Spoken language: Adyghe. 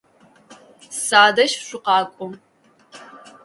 Садэжь шъукъакӏу!